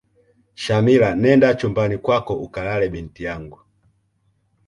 shamila nenda chumbani kwako ukalale binti yangu